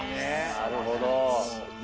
なるほど。